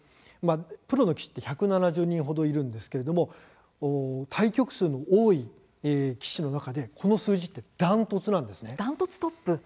プロの棋士は１７０人ほどいるんですが対局数の多い棋士の中でこの数字というのは断トツなんです。